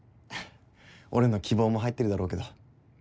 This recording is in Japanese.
俺の希望も入ってるだろうけど。